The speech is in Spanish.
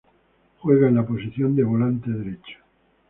Juega en la posición de volante derecho.